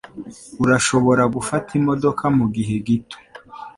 Urashobora gufata imodoka mugihe gito?